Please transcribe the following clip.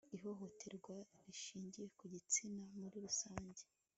ihohoterwa rishingiye ku gitsina muri rusange